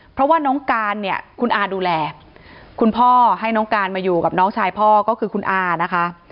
เพราะว่าน้องการเนี่ยคุณอาดูแลคุณพ่อให้น้องการมาอยู่กับน้องชายพ่อก็คือคุณอานะคะ